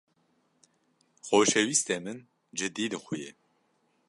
Xoşewîstê min cidî dixuye.